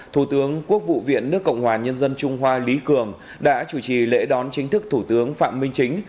thủ tướng quốc vụ viện nước cộng hòa nhân dân trung hoa lý cường đã chủ trì lễ đón chính thức thủ tướng phạm minh chính